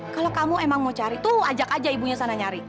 kalau kamu emang mau cari tuh ajak aja ibunya sana nyari